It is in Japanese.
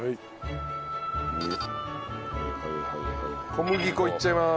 小麦粉いっちゃいます。